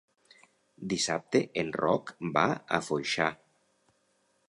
Dissabte en Roc va a Foixà.